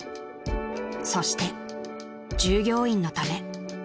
［そして従業員のため］